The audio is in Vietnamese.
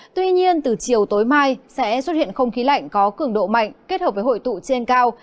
tuy nhiên từ chiều tối mai sẽ xuất hiện không khí lạnh có cường độ mạnh kết hợp với hội tụ trên cao